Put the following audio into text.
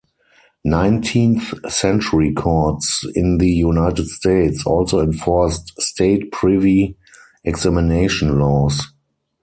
Nineteenth-century courts in the United States also enforced state privy examination laws.